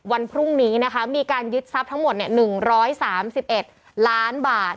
วันพรุ่งนี้นะคะมีการยึดทรัพย์ทั้งหมด๑๓๑ล้านบาท